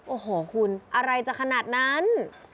โอ้โหคุณอะไรจะขนาดนั้น